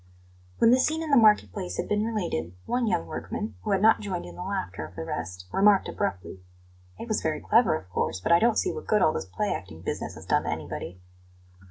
When the scene in the market place had been related, one young workman, who had not joined in the laughter of the rest, remarked abruptly: "It was very clever, of course; but I don't see what good all this play acting business has done to anybody."